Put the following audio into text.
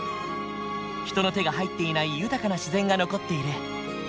人の手が入っていない豊かな自然が残っている。